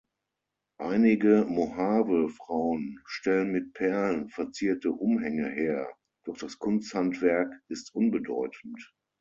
Einige Mohave-Frauen stellen mit Perlen verzierte Umhänge her, doch das Kunsthandwerk ist unbedeutend.